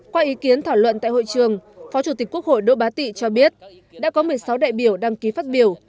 qua ý kiến thảo luận tại hội trường phó chủ tịch quốc hội đỗ bá tị cho biết đã có một mươi sáu đại biểu đăng ký phát biểu